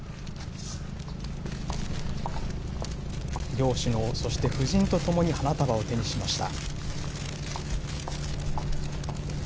両首脳、そして夫人と共に花束を手にしました。